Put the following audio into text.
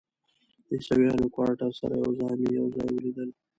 د عیسویانو کوارټر سره یو ځای مې یو ځای ولیدل.